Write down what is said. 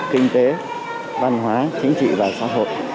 kinh tế văn hóa chính trị và xã hội